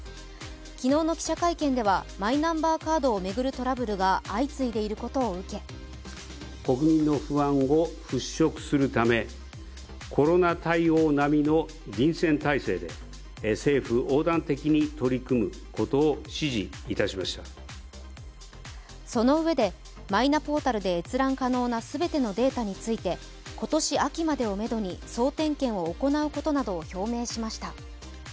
昨日の記者会見ではマイナンバーカードを巡るトラブルが相次いでいることを受けそのうえで、マイナポータルで閲覧可能な全てのデータについて今年秋までをめどに総点検を行うことなどを表明しました。